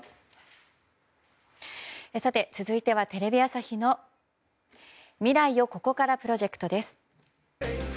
続いてはテレビ朝日の未来をここからプロジェクト。